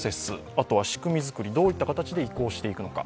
あとは仕組み作り、どういった形で移行していくのか。